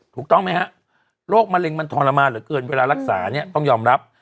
ถูกต้องไหมฮะโรคมะเร็งมันทรมานเหลือเกินเวลารักษาเนี่ยต้องยอมรับ